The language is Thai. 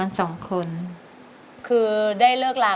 ทั้งในเรื่องของการทำงานเคยทำนานแล้วเกิดปัญหาน้อย